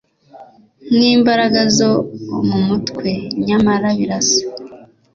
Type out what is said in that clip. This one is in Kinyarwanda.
Nkimbaraga zo mumutwe nyamara birasa